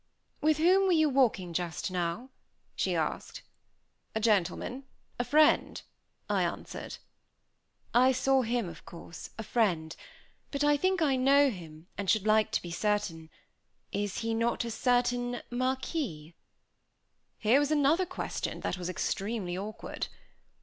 "With whom were you walking, just now?" she asked. "A gentleman, a friend," I answered. "I saw him, of course, a friend; but I think I know him, and should like to be certain. Is he not a certain Marquis?" Here was another question that was extremely awkward.